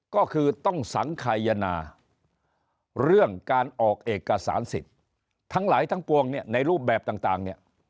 ก็คือต้องสังขยนาเรื่องการออกเอกสารสิทธิ์ทั้งหลายทั้งปวงเนี่ยในรูปแบบต่างเนี่ย